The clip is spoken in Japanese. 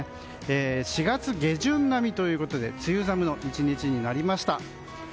４月下旬並みということで梅雨寒の１日になりました。